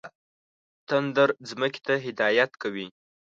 تندر ځمکې ته هدایت کوي.